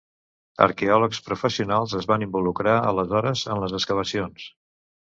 Arqueòlegs professionals es van involucrar aleshores en les excavacions.